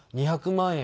「２００万円